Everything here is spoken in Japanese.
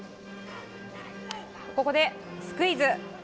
ここでスクイズ。